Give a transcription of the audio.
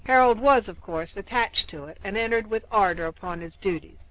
Harold was, of course, attached to it, and entered with ardor upon his duties.